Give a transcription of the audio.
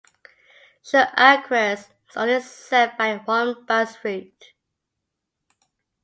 Shore Acres is only served by one bus route.